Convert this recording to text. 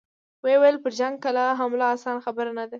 ويې ويل: پر جنګي کلا حمله اسانه خبره نه ده!